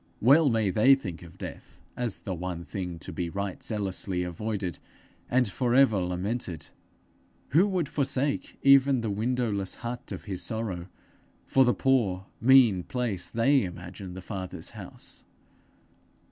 Well may they think of death as the one thing to be right zealously avoided, and for ever lamented! Who would forsake even the window less hut of his sorrow for the poor mean place they imagine the Father's house!